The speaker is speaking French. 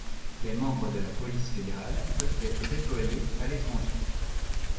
Les membres de la police fédérale peuvent être déployés à l'étranger.